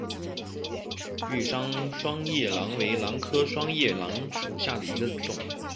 玉山双叶兰为兰科双叶兰属下的一个种。